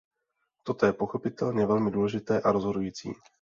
To je pochopitelně velmi důležité a rozhodující.